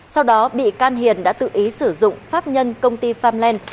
sau đó bị can hiền đã tự ý sử dụng pháp nhân công ty pham len